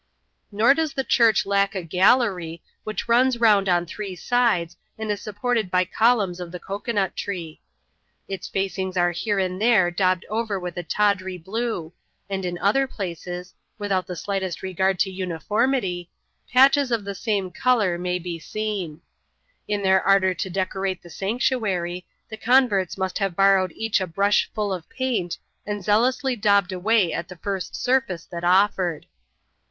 Nor does the church lack a gallery, which runs round aa three sides, and is supported \>y eoVviiaivs. o^ >^^ ^i«ft.Qiv T3MS.AaKR.. caiAF. XMY.] THE CHURCH OF THE COCOA NUT& 169 Its facings are here and there daubed over with a tawdry blue ; and in other places (without the slightest regard to uni formity), patches of the same colour may be seen. In their ardour to decorate the sanctuary, the c on verts must have borrowed each a brush full of paint, and zealously daubed away at the first surfiice that offered.